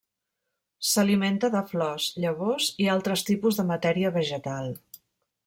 S'alimenta de flors, llavors i altres tipus de matèria vegetal.